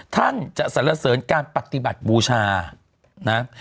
ท่านจะสรรเสริญการปฏิบัติบูชานะ